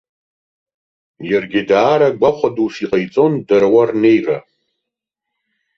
Иаргьы даара гәахәа дус иҟаиҵон дара уа рнеира.